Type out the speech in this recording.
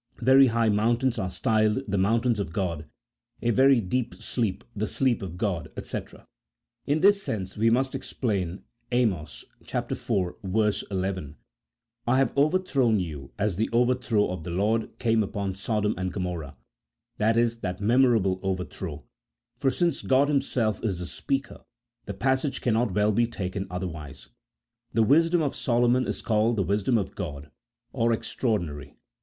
Very high moun tains are styled the mountains of God, a very deep sleep, the sleep of God, &c. In this sense we must explain Amos iv. 11 : "I have overthrown you as the overthrow of the Lord came upon Sodom and Gomorrah," i.e. that me morable overthrow, for since God Himself is the Speaker, the passage cannot well be taken otherwise. The wisdom of Solomon is called the wisdom of God, or extraordinary.